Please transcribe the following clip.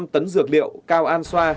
ba năm tấn dược liệu cao an xoa